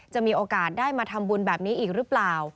มีโอกาสได้มาทำบุญแบบนี้อีกหรือเปล่า